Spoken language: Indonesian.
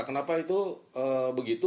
kenapa itu begitu